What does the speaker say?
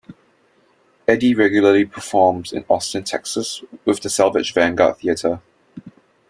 Eddy regularly performs in Austin, Texas with the Salvage Vanguard Theater.